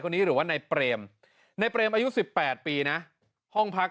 คนนี้หรือว่าในเปรมในเปรมอายุสิบแปดปีน่ะห้องพัก